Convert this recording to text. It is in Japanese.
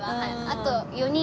あと。